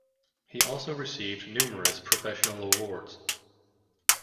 He also received numerous professional awards.